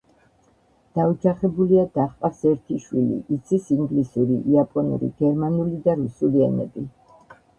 დაოჯახებულია და ჰყავს ერთი შვილი, იცის ინგლისური, იაპონური, გერმანული და რუსული ენები.